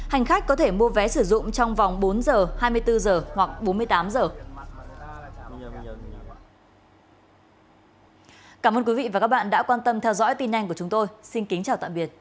hành khách có thể mua vé sử dụng trong vòng bốn giờ hai mươi bốn giờ hoặc bốn mươi tám giờ